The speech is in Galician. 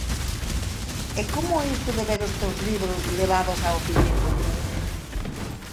E como é iso de ver os teus libros levados ao cinema?